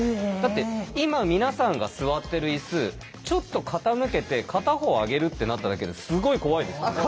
だって今皆さんが座ってる椅子ちょっと傾けて片方上げるってなっただけですごい怖いですよね。